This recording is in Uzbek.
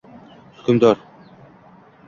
Hukmdor: